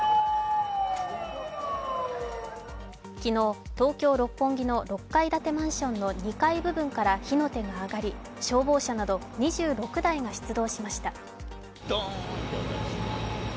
昨日、東京・六本木の６階建てマンションの２階部分から火の手が上がり消防車など２６台が出動しました。